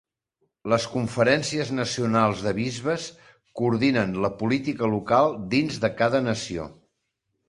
Les conferències nacionals de bisbes coordinen la política local dins de cada nació.